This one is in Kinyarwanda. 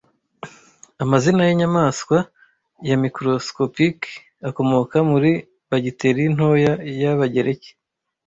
Amazina yinyamanswa ya microscopique akomoka muri bagiteri ntoya y'Abagereki